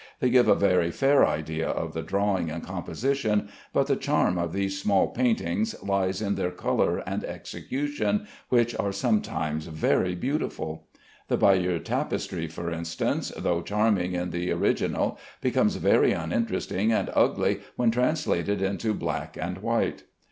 They give a very fair idea of the drawing and composition, but the charm of these small paintings lies in their color and execution, which are sometimes very beautiful. The Bayeux tapestry, for instance, though charming in the original, becomes very uninteresting and ugly when translated into black and white.